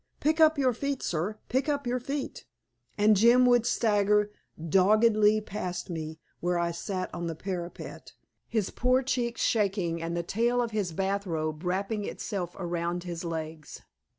"Pick up your feet, sir! Pick up your feet!" And Jim would stagger doggedly past me, where I sat on the parapet, his poor cheeks shaking and the tail of his bath robe wrapping itself around his legs.